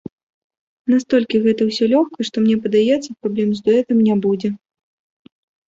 Настолькі гэта ўсё лёгка, што мне падаецца, праблем з дуэтам не будзе.